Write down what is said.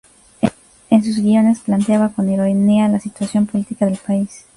En sus guiones planteaba con ironía la situación política del país.